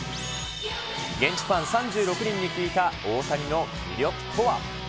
現地ファン３６人に聞いた大谷の魅力とは？